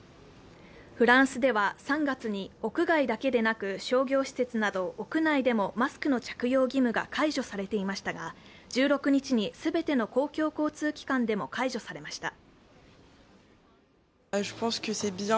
フランスでは３月に屋外だけでなく商業施設など屋内でもマスクの着用義務が解除されていましたが１６日に全ての公共交通機関でも解除されました。